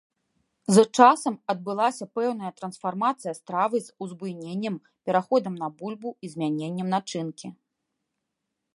З часам адбылася пэўная трансфармацыя стравы з узбуйненнем, пераходам на бульбу і змяненнем начынкі.